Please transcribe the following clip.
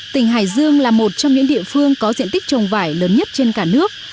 tỉnh hải dương là một trong những địa phương có diện tích trồng vải lớn nhất trên cả nước